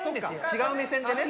違う目線でね